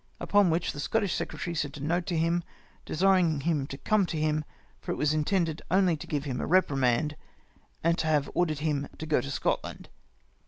Ui^on which the Scottish secretary sent a note to him, desiring him to come to him ; for it was intended only to give him a reprimand, and to have ordered him to go to Scotland.